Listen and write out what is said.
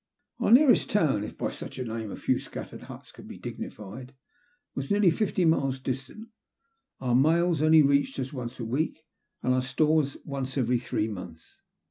Our nearest town, if by such a name a few scat tered huts could be dignified, was nearly fifiy miles distant, our mails only reached us once a week, and our stores once every three months.